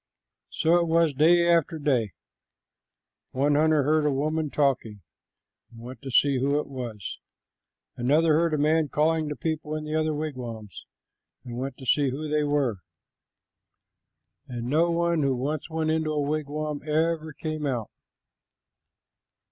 So it was day after day. One hunter heard a woman talking, and went to see who it was; another heard a man calling to people in the other wigwams, and went to see who they were; and no one who once went into a wigwam ever came out.